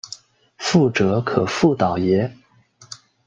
覆辙可复蹈耶？